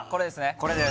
これです